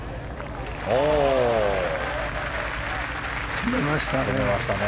止めましたね。